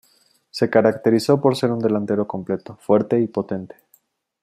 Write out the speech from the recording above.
Se caracterizó por ser un delantero completo, fuerte y potente.